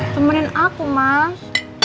temenin aku mas